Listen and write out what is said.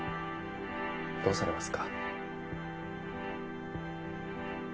どうされますか？